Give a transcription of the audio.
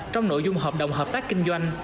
trong nội dung hợp đồng hợp tác kinh doanh